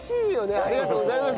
ありがとうございます